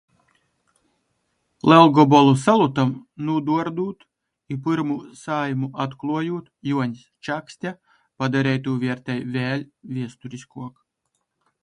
Lelgobolu salutam nūduordūt i pyrmū Saeimu atkluojūt, Juoņs Čakste padareitū viertej vēļ viesturiskuok.